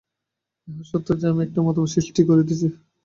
ইহা সত্য যে, আমরা একটা মতবাদ সৃষ্টি করিতেছি।